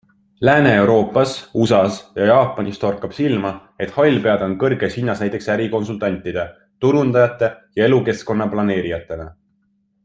Lääne-Euroopas, USAs ja Jaapanis torkab silma, et hallpead on kõrges hinnas näiteks ärikonsultantide, turundajate ja elukeskkonna planeerijatena.